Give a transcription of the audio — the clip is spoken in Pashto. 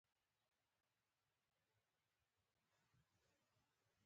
چارلي چاپلین وایي فکر ډېر او احساس کم دی.